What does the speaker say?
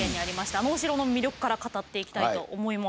あのお城の魅力から語っていきたいと思います。